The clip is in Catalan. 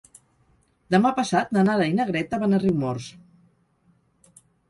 Demà passat na Nara i na Greta van a Riumors.